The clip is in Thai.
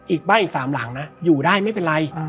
อีกบ้านอีก๓หลังนะอยู่ได้ไม่เป็นไร